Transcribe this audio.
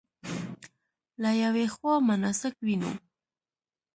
له یوې خوا مناسک وینو.